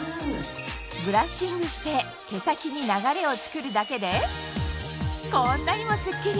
ブラッシングして毛先に流れを作るだけでこんなにもスッキリ！